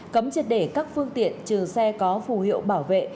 cấm triệt để các phương tiện trừ xe có phù hiệu bệnh viện